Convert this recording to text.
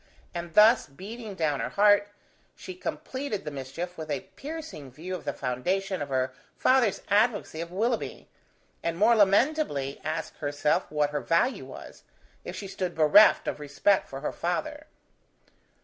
And thus beating down her heart, she completed the mischief with a piercing view of the foundation of her father's advocacy of Willoughby, and more lamentably asked herself what her value was, if she stood bereft of respect for her father.